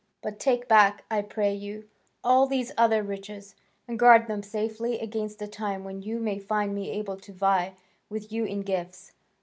But take back, I pray you, all these other riches, and guard them safely against the time when you may find me able to vie with you in gifts.